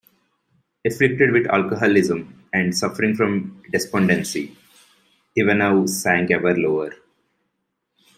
Afflicted with alcoholism and suffering from despondency, Ivanov sank ever lower.